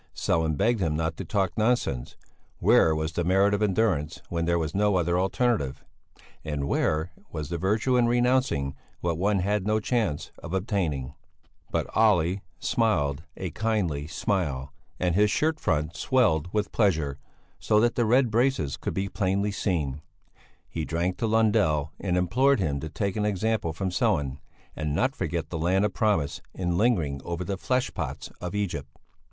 Sellén begged him not to talk nonsense; where was the merit of endurance when there was no other alternative? And where was the virtue in renouncing what one had no chance of obtaining? But Olle smiled a kindly smile, and his shirt front swelled with pleasure, so that the red braces could be plainly seen; he drank to Lundell and implored him to take an example from Sellén, and not forget the Land of Promise in lingering over the fleshpots of Egypt.